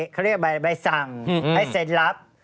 เขาเรียกใบสั่งให้เซ็นรับ